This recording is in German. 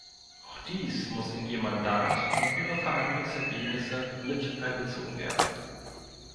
Auch dies muss in Ihr Mandat und Ihre Verhandlungsergebnisse mit einbezogen werden.